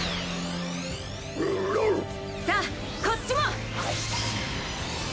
さあこっちも！